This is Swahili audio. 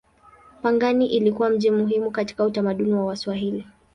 Pangani ilikuwa mji muhimu katika utamaduni wa Waswahili.